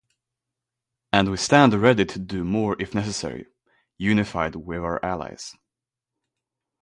And we stand ready to do more if necessary, unified with our allies.